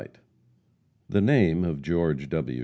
The name of George W.